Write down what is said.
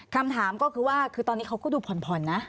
คำถามก็คือว่าเท่านี้เพราะเขาก็ดูผ่อนนะ